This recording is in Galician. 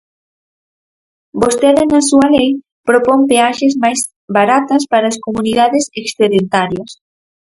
Vostede na súa lei propón peaxes máis baratas para as comunidades excedentarias.